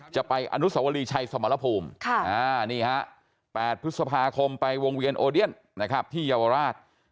จะไปอนุสวรีชัยสมรภูมินี่ฮะ๘พฤษภาคมไปวงเวียนโอเดียนนะครับที่เยาวราช